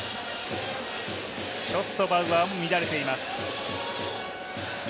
ちょっとバウアーも乱れています。